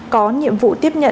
có nhiệm vụ tiếp nhận